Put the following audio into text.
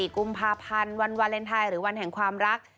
๔กุมภาพันธ์วันวาเลนไทยหรือวันแห่งความรัก